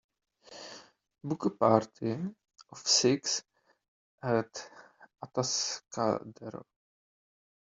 book a party of six at Atascadero